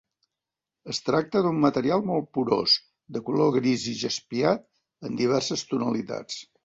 Es tracta d'un material molt porós, de color gris i jaspiat en diverses tonalitats.